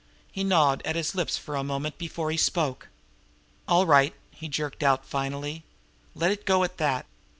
He gnawed at his lips for a moment before he spoke. "All right!" he jerked out finally. "Let it go at that!